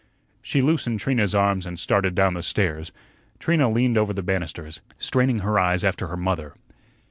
She loosened Trina's arms and started down the stairs. Trina leaned over the banisters, straining her eyes after her mother.